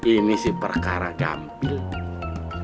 ini sih perkara gampil